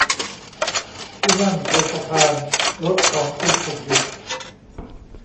ที่นั่น บนสะพาน รถของคุณถูกหยุด